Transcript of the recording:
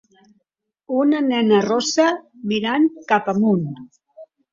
Una nena rossa mirant cap amunt